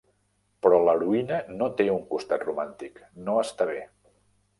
Però l'heroïna no té un costat romàntic, no està bé.